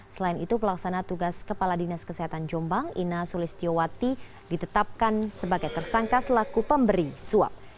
selain itu pelaksana tugas kepala dinas kesehatan jombang ina sulistiowati ditetapkan sebagai tersangka selaku pemberi suap